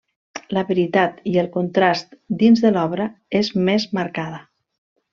La varietat i el contrast dins de l'obra és més marcada.